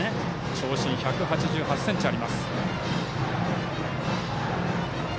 長身、１８８ｃｍあります。